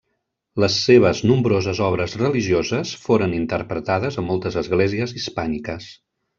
Les seves nombroses obres religioses foren interpretades a moltes esglésies hispàniques.